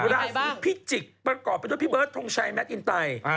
ราศีพิจิกประกอบไปจากพี่เบิร์ดทองชัยแม่ตินไต